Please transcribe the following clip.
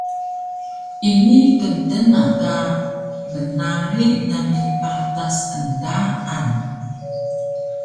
Ini ktna ka bnarig nami patas endaan